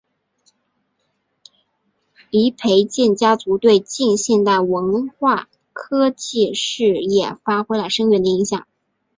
黎培銮家族对近现代文化科技事业发挥了深远的影响。